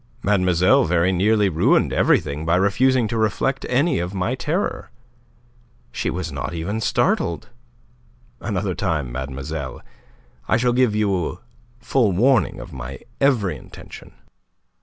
Mademoiselle very nearly ruined everything by refusing to reflect any of my terror. She was not even startled. Another time, mademoiselle, I shall give you full warning of my every intention."